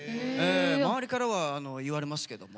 周りからは言われますけども。